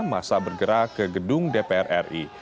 masa bergerak ke gedung dpr ri